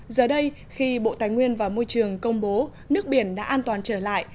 giờ đây khi bộ tài nguyên và môi trường công bố nước biển đã an toàn trở lại